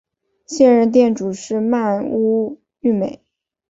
现任店主是鳗屋育美。